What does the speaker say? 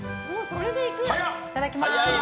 いただきます。